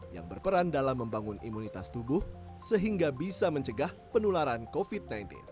yang berperan dalam membangun imunitas tubuh sehingga bisa mencegah penularan covid sembilan belas